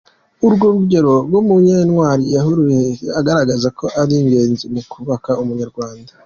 Urwo rugero rwa Munyantwari yaruhereyeho agaragaza ko ari ingenzi mu kubaka ubunyarwanda.